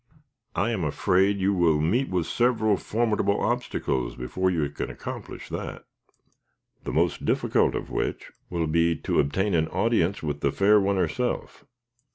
"I am afraid you will meet with several formidable obstacles, before you can accomplish that; the most difficult of which will be to obtain an audience with the fair one herself."